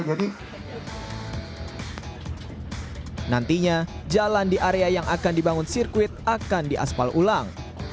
jadi nantinya jalan di area yang akan dibangun sirkuit akan diaspal ulang